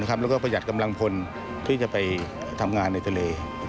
แล้วก็ประหยัดกำลังพลที่จะไปทำงานในทะเล